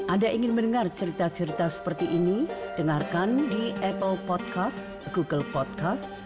anda ingin mendengar cerita cerita seperti ini dengarkan di apple podcast google podcast